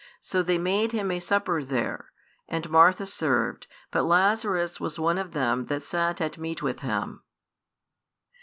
So they made Him a supper there: and Martha served; but Lazarus was one of them that sat at meat with Him.